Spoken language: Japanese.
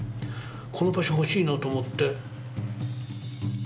この場所欲しいなと思って。